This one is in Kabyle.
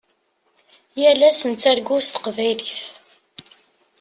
Yal ass nettargu s teqbaylit.